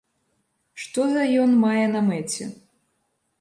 Што за ён мае на мэце?